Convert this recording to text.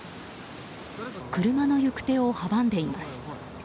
車の行く手を阻んでいます。